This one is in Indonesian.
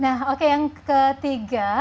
nah oke yang ketiga